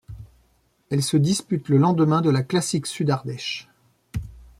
Elle se dispute le lendemain de la Classic Sud Ardèche.